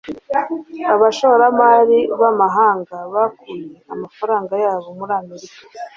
abashoramari b'amahanga bakuye amafaranga yabo muri amerika